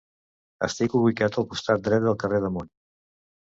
Està ubicat al costat dret del carrer d'Amunt.